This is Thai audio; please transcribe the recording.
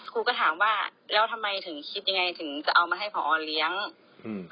ครูก็ถามว่าแล้วทำไมถึงคิดยังไงถึงจะเอามาให้ผอเลี้ยงอืม